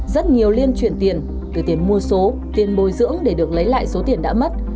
rất nhiều liên chuyển tiền từ tiền mua số tiền bồi dưỡng để được lấy lại số tiền đã mất